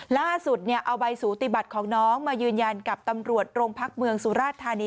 ล่าสุดเอาใบสูติบัติของน้องมายืนยันกับตำรวจโรงพักเมืองสุราชธานี